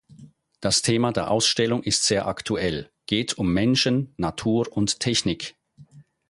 Das Thema der Ausstellung ist sehr aktuellgeht um Menschen, Natur und Technik.